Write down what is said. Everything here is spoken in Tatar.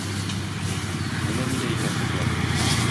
Менә нидә икән хикмәт!